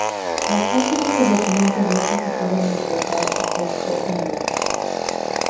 Las páginas del documento abierto se pueden exportar a texto o imagen.